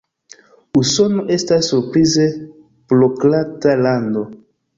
Usono estas surprize burokrata lando.